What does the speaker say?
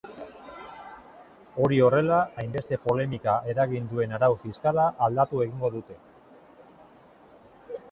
Hori horrela, hainbeste polemika eragin duen arau fiskala aldatu egingo dute.